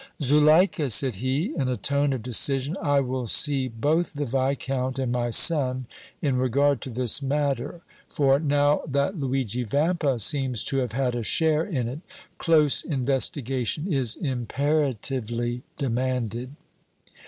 "Zuleika," said he, in a tone of decision, "I will see both the Viscount and my son in regard to this matter, for now that Luigi Vampa seems to have had a share in it, close investigation is imperatively demanded."